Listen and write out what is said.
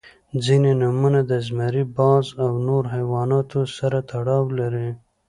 • ځینې نومونه د زمری، باز او نور حیواناتو سره تړاو لري.